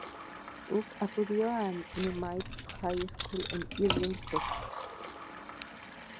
Huff acudió al Nimitz High School en Irving, Texas.